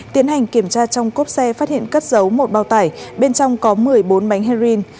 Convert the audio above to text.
tiến hành kiểm tra trong cốp xe phát hiện cất giấu một bao tải bên trong có một mươi bốn bánh heroin